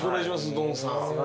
ドンさん。